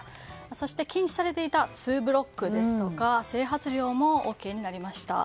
そして禁止されていたツーブロックですとか整髪料もＯＫになりました。